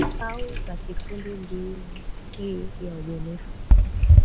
au za kikundi Mbinu hii ya ubunifu